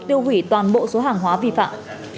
tiêu hủy toàn bộ số hàng hóa vi phạm